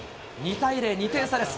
２対０、２点差です。